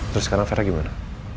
terus sekarang vera gimana